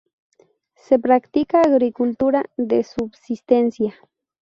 Se practica agricultura de subsistencia.